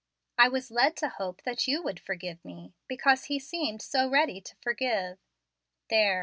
I was ted to hope that you would forgive me, because He seemed so ready to forgive. There!